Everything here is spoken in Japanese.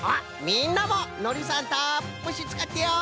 みんなものりさんたっぷしつかってよ！